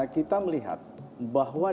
kita melihat bahwa